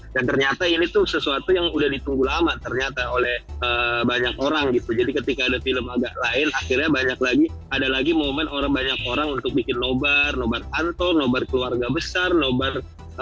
dan ternyata ini tuh sesuatu yang udah ditunggu lama ternyata oleh banyak orang gitu jadi ketika ada film agak lain akhirnya banyak lagi ada lagi momen banyak orang untuk bikin nobar nobar kantor nobar keluarga besar nobar